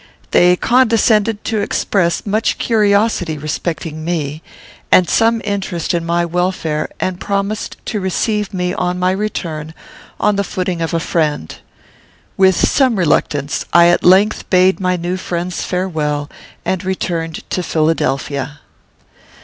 They condescended to express much curiosity respecting me, and some interest in my welfare, and promised to receive me, on my return, on the footing of a friend. With some reluctance, I at length bade my new friends farewell, and returned to Philadelphia.